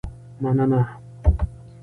مننه